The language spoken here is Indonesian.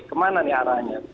kemana nih arahnya